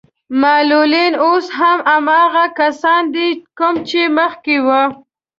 معلولين اوس هم هماغه کسان دي کوم چې مخکې وو.